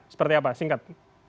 seperti apa singkat